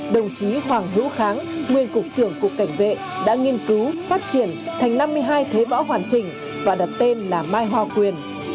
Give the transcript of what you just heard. đồng chí hoàng vũ kháng nguyên cục trưởng cục cảnh vệ đã nghiên cứu phát triển thành năm mươi hai thế võ hoàn trình và đặt tên là mai hoa quyền